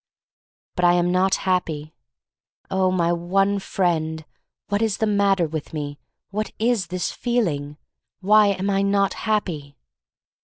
But I am not happy. 'Oh, my one friend — what is the matter with me? What is this feeling? Why am I not happy?